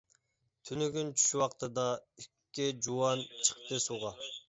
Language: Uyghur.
تۈنۈگۈن چۈش ۋاقتىدا، ئىككى جۇۋان چىقتى سۇغا.